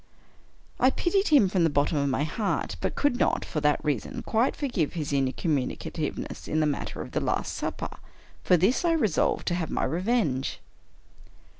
I pitied him from the bottom of my heart — but could not, for that reason, quite forgive his incommuni cativeness in the matter of the " Last Supper." For this I resolved to have my revenge.